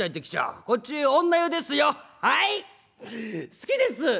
好きです」。